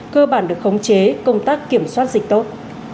cơ bản được khống chế công tác kiểm soát dịch tốt